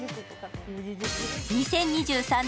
２０２３年